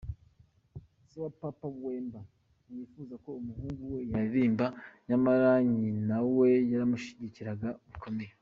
Se wa Papa Wemba ntiyifuzaga ko umuhungu we yaririmba nyamara nyina we yaramushyigikiraga bikomeye.